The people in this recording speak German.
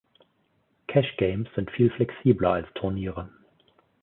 Cash Games sind viel flexibler als Turniere.